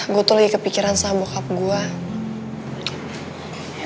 gue tuh lagi kepikiran sama cup gue